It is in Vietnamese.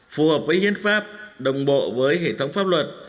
phù hợp với hiến pháp đồng bộ với hệ thống pháp luật